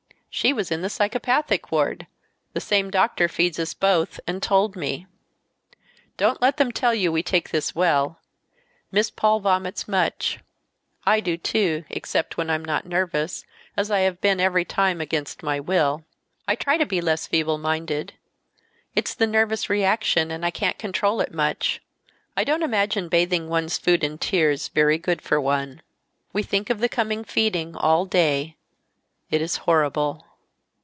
She was in the psychopathic ward. The same doctor feeds us both, and told me. Don't let them tell you we take this well. Miss Paul vomits much. I do, too, except when I'm not nervous, as I have been every time against my will. I try to be less feeble minded. It's the nervous reaction, and I can't control it much. I don't imagine bathing one's food in tears very good for one. "We think of the coming feeding all day. It is horrible.